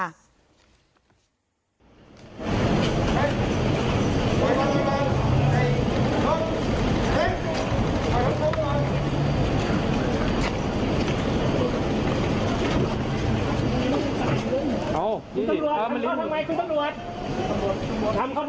โอ้มันตั้มมานิดหนึ่ง